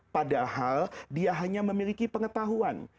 padahal dia hanya memiliki pengetahuan